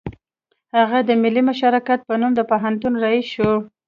هغه د ملي مشارکت په نوم د پوهنتون رییس شو